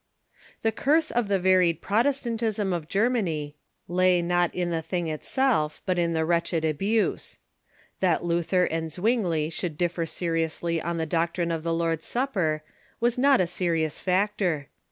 The curse of the varied Protestantism of Germany ]ay not in the thing itself, but in the wretched abuse. That Luther and Zwingli should differ seriously on the doctrine ^''siai'spS'" ^^^^^^ Lord's Supper was not a serious factor.